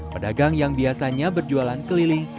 pedagang yang biasanya berjualan keliling